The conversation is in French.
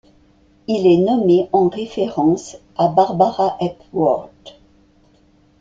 Il est nommé en référence à Barbara Hepworth.